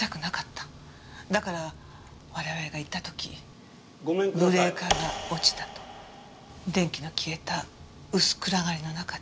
だから我々が行った時ブレーカーが落ちたと電気の消えた薄暗がりの中で。